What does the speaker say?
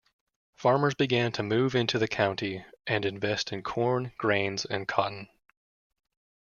Farmers began to move into the county and invest in corn, grains, and cotton.